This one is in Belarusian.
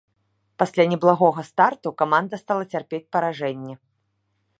Пасля неблагога старту каманда стала цярпець паражэнні.